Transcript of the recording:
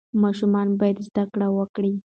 ماشومان باید زده کړه وکړي.